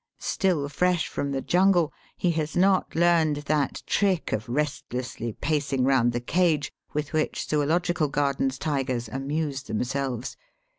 Still fresh from the jungle he has not learned that trick of restlessly pacing round the cage, with which Zoological Gardens tigers amuse themselves.